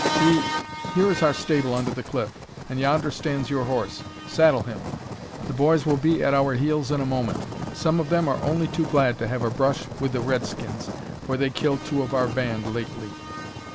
See, here is our stable under the cliff, and yonder stands your horse. Saddle him. The boys will be at our heels in a moment. Some of them are only too glad to have a brush wi' the Redskins, for they killed two of our band lately."